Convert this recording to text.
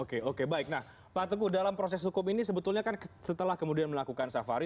oke oke baik nah pak teguh dalam proses hukum ini sebetulnya kan setelah kemudian melakukan safari